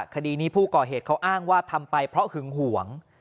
คดีนี้ผู้ก่อเหตุเขาอ้างว่าทำไปเพราะหึงหวง